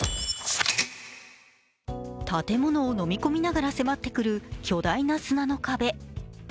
建物をのみ込みながら迫ってくる巨大な砂の壁。